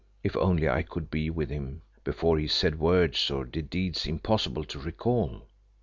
If only I could be with him before he said words or did deeds impossible to recall.